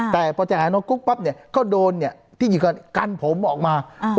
แต่พอจะหาน้องคุกปั๊บเนี้ยเขาโดนเนี้ยที่อยู่ก่อนกันผมออกมาอ่า